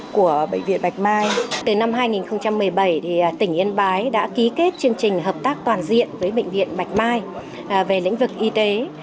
từ năm hai nghìn một mươi bảy tỉnh yên bái đã ký kết chương trình hợp tác toàn diện với bệnh viện bạch mai về lĩnh vực y tế